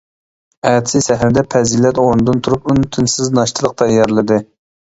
ئەتىسى سەھەردە پەزىلەت ئورنىدىن تۇرۇپ ئۈن-تىنسىز ناشتىلىق تەييارلىدى.